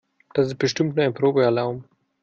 Das ist bestimmt nur ein Probealarm.